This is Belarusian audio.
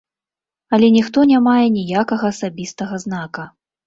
Але ніхто не мае ніякага асабістага знака.